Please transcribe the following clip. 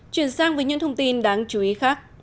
chuyển sang với những thông tin đáng chú ý khác